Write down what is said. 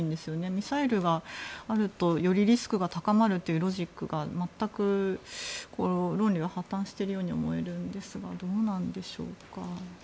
ミサイルがあるとよりリスクが高まるというロジックが全く論理が破たんしているように思えるんですがどうなんでしょうかね。